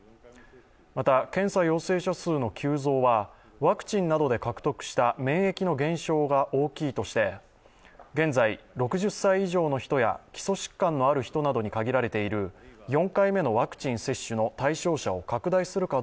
また、検査陽性者数の急増はワクチンなどで獲得した免疫の減少が大きいとして、現在、６０歳以上の人や基礎疾患のある人などに限られている４回目のワクチン接種の対象者を拡大すべきか